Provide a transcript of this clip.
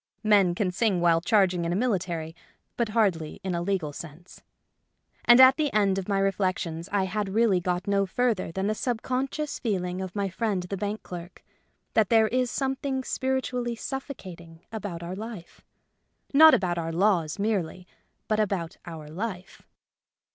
Men can sing while charging in a military, but hardly in a legal sense. And at the end of my reflections I had really got no further than the subconscious feeling of my friend the bank clerk — that there is something spiritually suffocating about our life ; not about our laws merely, but about our life.